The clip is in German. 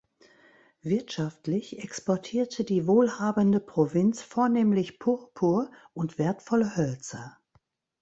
Wirtschaftlich exportierte die wohlhabende Provinz vornehmlich Purpur und wertvolle Hölzer.